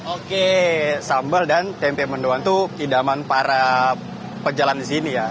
oke sambal dan tempe mendoan itu idaman para pejalan di sini ya